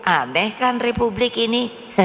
aneh kan republik ini